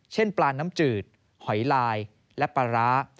ปลาน้ำจืดหอยลายและปลาร้า